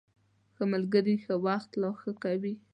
ښه ملګري ښه وخت لا ښه کوي.